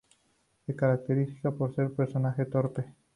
Se caracteriza por ser un personaje torpe.